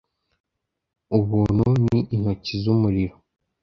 ubuntu ni intoki z'umuriro